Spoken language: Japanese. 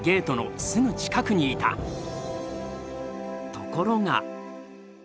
ところが。